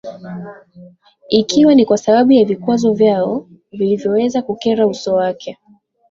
Ikiwa ni kwa sababu ya vikwazo vyao vilivyoweza kukera uso wake